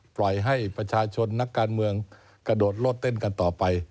ปล่อยให้ประชาชนนักการเมืองกระโดดโลดเต้นกันต่อไป